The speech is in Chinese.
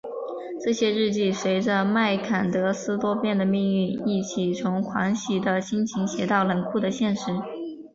这些日记随着麦坎德斯多变的命运一起从狂喜的心情写到冷酷的现实。